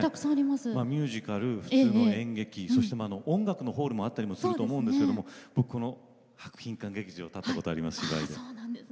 ミュージカル、普通の演劇そして音楽のホールもあったりもすると思うんですけど僕、博品館劇場に立ったことあります、芝居で。